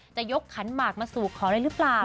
จะยกขันหมากมาสู่ขอเลยหรือเปล่า